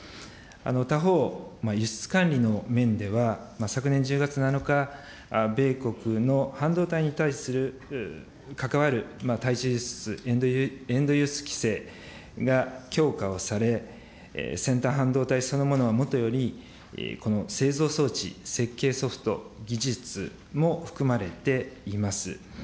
他方、輸出管理の面では、昨年１０月７日、米国の半導体に対する、かかわる輸出、エンド規制が強化をされ、先端半導体そのものはもとより、この製造装置、設計ソフト、技術も含まれています。